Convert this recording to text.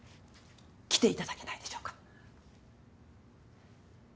来て頂けないでしょうか。